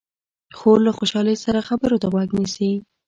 خور له خوشحالۍ سره خبرو ته غوږ نیسي.